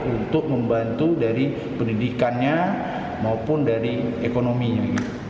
untuk membantu dari pendidikannya maupun dari ekonominya